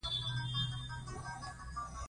غوږونه د صداقت غږ خوښوي